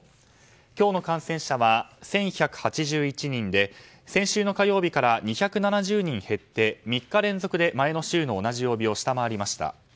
今日の感染者は１１８１人で先週の火曜日から２７０人減って３日連続で前の週の同じ曜日を下回りました。